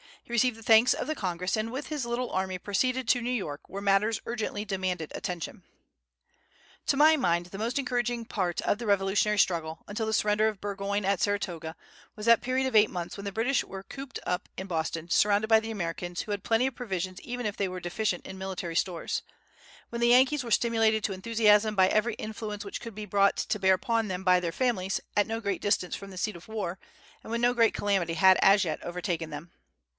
He received the thanks of the Congress, and with his little army proceeded to New York, where matters urgently demanded attention. To my mind the most encouraging part of the Revolutionary struggle, until the surrender of Burgoyne at Saratoga, was that period of eight months when the British were cooped up in Boston, surrounded by the Americans, who had plenty of provisions even if they were deficient in military stores; when the Yankees were stimulated to enthusiasm by every influence which could be brought to bear upon them by their families, at no great distance from the seat of war, and when no great calamity had as yet overtaken them.